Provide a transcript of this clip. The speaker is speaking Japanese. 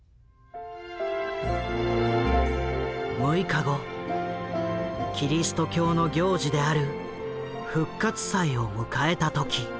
６日後キリスト教の行事である復活祭を迎えた時。